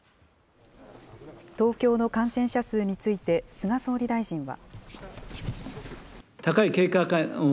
東京の感染者数について、菅総理大臣は。